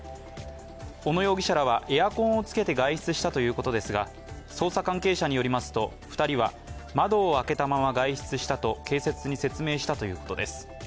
小野容疑者らはエアコンをつけて外出したということですが捜査関係者によりますと２人は窓を開けたまま外出したと警察に説明したということです。